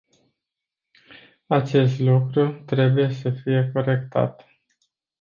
Acest lucru trebuie să fie corectat.